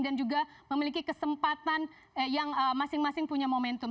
dan juga memiliki kesempatan yang masing masing punya momentum